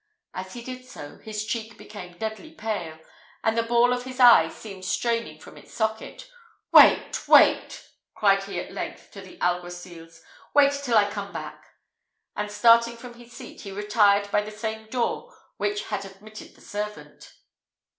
As he did so, his cheek became deadly pale, and the ball of his eye seemed straining from its socket. "Wait, wait!" cried he at length to the alguacils; "wait till I come back!" and, starting from his seat, he retired by the same door which had admitted the servant.